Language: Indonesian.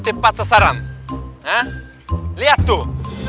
tepat sasaran lihat tuh